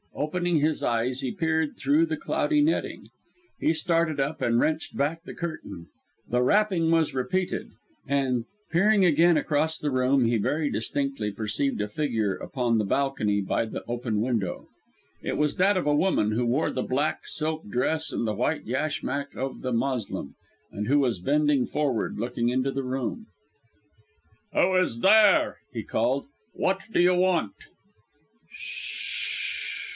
Opening his eyes, he peered through the cloudy netting. He started up, and wrenched back the curtain. The rapping was repeated; and peering again across the room, he very distinctly perceived a figure upon the balcony by the open window. It was that of a woman who wore the black silk dress and the white yashmak of the Moslem, and who was bending forward looking into the room. "Who is there?" he called. "What do you want?"